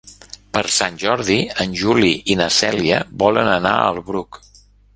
Per Sant Jordi en Juli i na Cèlia volen anar al Bruc.